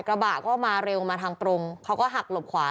กระบะก็มาเร็วมาทางตรงเขาก็หักหลบขวา